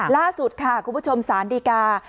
ล่าสุดค่ะคุณผู้ชมสารดีกา